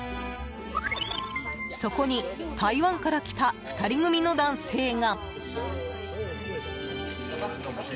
そこに、台湾から来た２人組の男性が。